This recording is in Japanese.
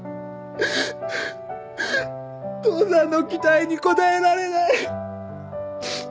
父さんの期待に応えられない。